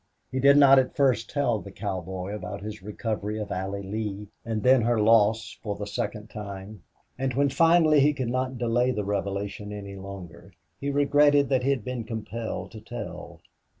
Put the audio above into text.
He did not at first tell the cowboy about his recovery of Allie Lee and then her loss for the second time; and when finally he could not delay the revelation any longer he regretted that he had been compelled to tell.